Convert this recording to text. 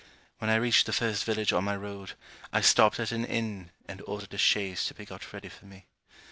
When I reached the first village on my road, I stopped at an inn, and ordered a chaise to be got ready for me.